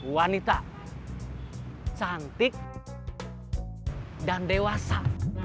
wanita cantik dan dewasa